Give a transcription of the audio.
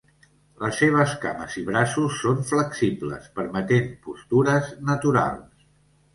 Les seves cames i braços són flexibles, permetent postures naturals.